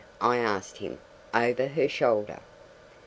I asked him, over her shoulder.